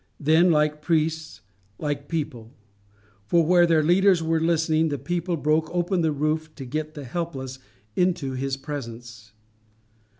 Then, like priests, like people; for where their leaders were listening, the people broke open the roof to get the helpless into his presence.